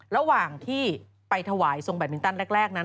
ระหว่างที่ไปถวายทรงแบตมินตันแรกนั้น